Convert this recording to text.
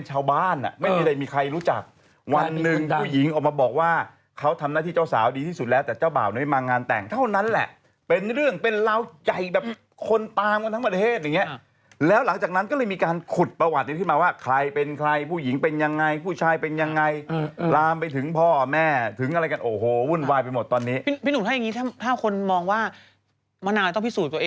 เจ้าสาวที่บ้านไม่มีใครรู้จักวันนึงผู้หญิงออกมาบอกว่าเขาทำหน้าที่เจ้าสาวดีที่สุดแล้วแต่เจ้าบ่าวไม่มางานแต่งเท่านั้นแหละเป็นเรื่องเป็นลาวใจแบบคนตามทั้งประเทศอย่างเงี้ยแล้วหลังจากนั้นก็เลยมีการขุดประวัติขึ้นมาว่าใครเป็นใครผู้หญิงเป็นยังไงผู้ชายเป็นยังไงลามไปถึงพ่อแม่ถึงอะไรกันโอ